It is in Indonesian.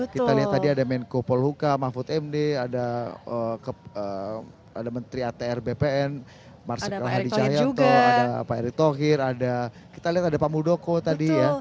kita lihat tadi ada menko polhuka mahfud md ada menteri atr bpn ada pak erick tokir kita lihat ada pak muldoko tadi ya